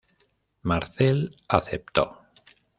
Marcel aceptó.